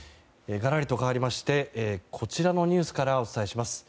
かわりましてこちらのニュースからお伝えします。